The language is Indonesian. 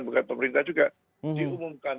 bukan pemerintah juga dihumumkan